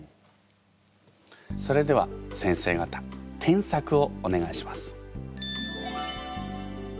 それでは先生方添削をお願いします。